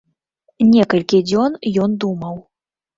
Некалькі дзён ён думаў.